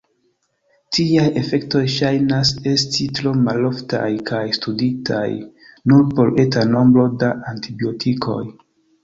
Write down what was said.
Tiaj efektoj ŝajnas esti tro maloftaj kaj studitaj nur por eta nombro da antibiotikoj.